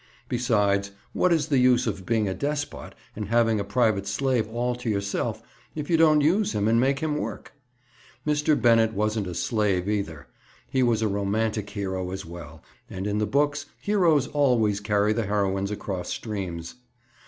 Besides, what is the use of being a despot and having a private slave, all to yourself, if you don't use him and make him work? Mr. Bennett wasn't only a slave either, he was a romantic hero, as well, and in the books, heroes always carry the heroines across streams.